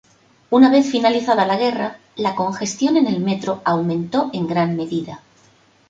Una vez finalizada la guerra, la congestión en el Metro aumentó en gran medida.